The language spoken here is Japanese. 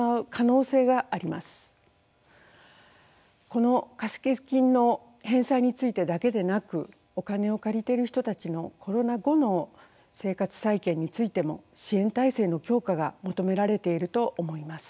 この貸付金の返済についてだけでなくお金を借りている人たちのコロナ後の生活再建についても支援体制の強化が求められていると思います。